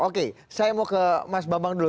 oke saya mau ke mas bambang dulu